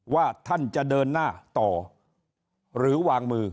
ว่าท่านจะเดินหน้าต่อหรือวางมือ